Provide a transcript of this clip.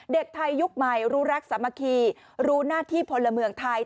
เด็กไทยยุคใหม่รู้รักสามัคคีรู้หน้าที่พลเมืองไทย